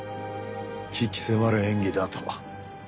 鬼気迫る演技だと。